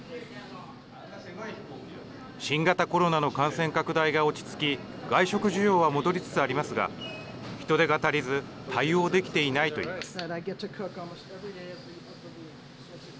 新型コロナの感染拡大が落ち着き外食需要は戻りつつありますが人手が足りず対応できていないといいます。